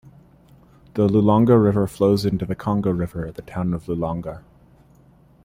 The Lulonga river flows into the Congo River at the town Lulonga.